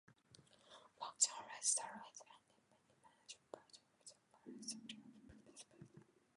Functional analysis studies the infinite-dimensional version of the theory of vector spaces.